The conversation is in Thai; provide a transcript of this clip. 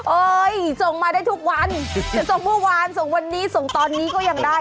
เอ้ยส่งมาได้ทุกวันจะส่งเมื่อวานส่งวันนี้ส่งตอนนี้ก็ยังได้